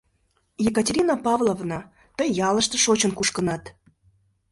Екатерина Павловна, тый ялыште шочын-кушкынат.